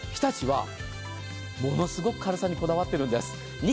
日立はものすごく軽さにこだわっているんです。